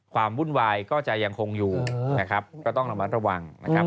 วุ่นวายก็จะยังคงอยู่นะครับก็ต้องระมัดระวังนะครับ